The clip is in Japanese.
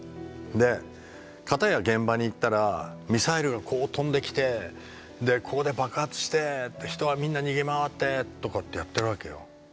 で片や現場に行ったら「ミサイルがこう飛んできてここで爆発して人がみんな逃げ回って」とかってやってるわけよ。